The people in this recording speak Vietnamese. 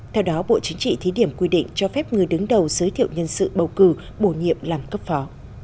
theo đó bộ chính trị thí điểm quy định cho phép người đứng đầu giới thiệu nhân sự bầu cử bổ nhiệm làm cấp phó